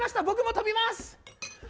僕も飛びます！